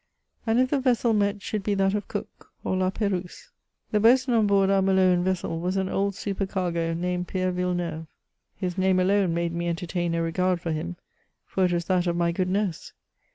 And if the vessel met should be that of Cook or La P6rouse ?— The boatswain on board our Maloan vessel was an old super cargo, named Pierre Villeneuve ; his name alone made me enter tain a regard for him, for it was that of my good nurse.